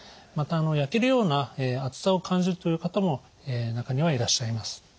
また焼けるような熱さを感じるという方も中にはいらっしゃいます。